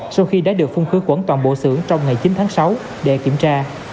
sau khi đã được phung khứ quẩn toàn bộ xưởng trong ngày chín tháng sáu để kiểm tra